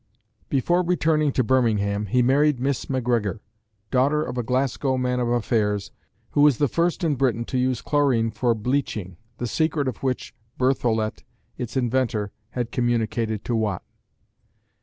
Before returning to Birmingham, he married Miss MacGregor, daughter of a Glasgow man of affairs, who was the first in Britain to use chlorine for bleaching, the secret of which Berthollet, its inventor, had communicated to Watt.